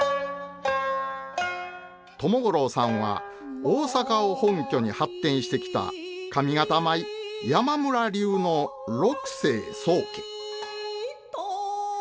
友五郎さんは大阪を本拠に発展してきた上方舞山村流の六世宗家。